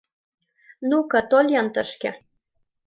Ну-ка, тол-ян тышке?